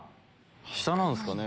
下なんすかね？